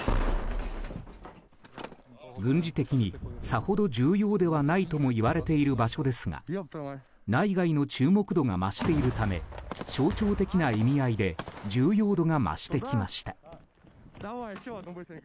軍事的にさほど重要ではないともいわれている場所ですが内外の重要度が増しているため象徴的な意味合いで重要度が増してきました。